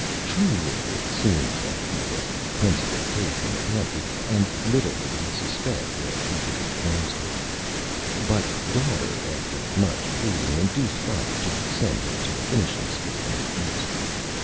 Truly, it seemed that he was the principal Cake in the Pantry, and little did he suspect that he could be Frosted. [Illustration: IN THE EAST] But Daughter, after much Pleading, induced Father to send her to a Finishing School in the East.